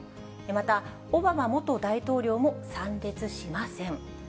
また、オバマ元大統領も参列しません。